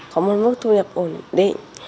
có một mức thu nhập ổn định